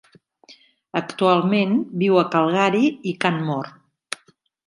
Actualment viu a Calgary i Canmore.